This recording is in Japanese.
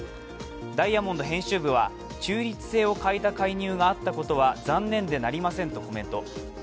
ダイヤモンド編集部は、中立性を欠いた介入があったことは残念でなりませんとコメント。